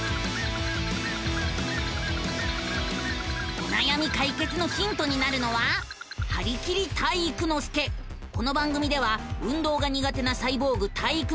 おなやみ解決のヒントになるのはこの番組では運動が苦手なサイボーグ体育ノ